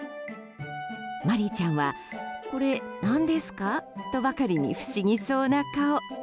マリーちゃんはこれ、何ですか？とばかりに不思議そうな顔。